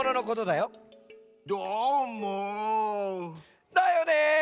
だよね。